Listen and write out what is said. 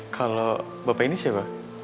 kalau bapak ini siapa